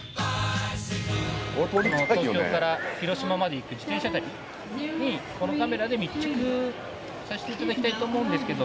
東京から広島まで行く自転車旅にこのカメラで密着させていただきたいと思うんですけど。